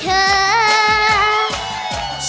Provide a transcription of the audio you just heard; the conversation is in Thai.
เคลียดใจกันหน่อยซิเธอ